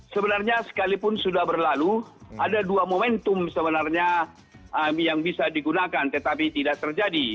sebenarnya sekalipun sudah berlalu ada dua momentum sebenarnya yang bisa digunakan tetapi tidak terjadi